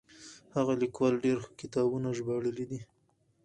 هغه ليکوال ډېر ښه کتابونه ژباړلي دي.